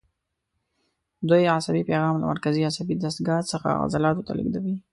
دوی عصبي پیغام له مرکزي عصبي دستګاه څخه عضلاتو ته لېږدوي.